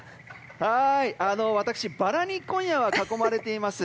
私、バラに今夜は囲まれています。